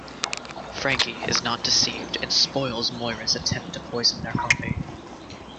Frankie is not deceived and spoils Moira's attempt to poison their coffee.